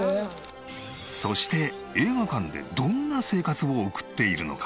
そして映画館でどんな生活を送っているのか？